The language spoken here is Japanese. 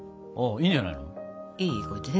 いいんじゃないの？